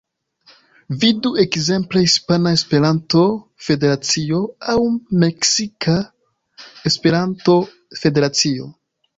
Vidu ekzemple Hispana Esperanto-Federacio aŭ Meksika Esperanto-Federacio.